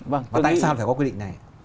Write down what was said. và tại sao phải có quy định này